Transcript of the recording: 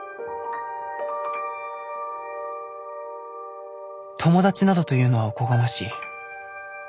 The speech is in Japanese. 心の声友達などというのはおこがましい。